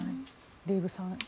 デーブさん。